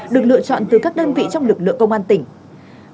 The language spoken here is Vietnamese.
được lựa chọn từ các đơn vị trong lực lượng công an tỉnh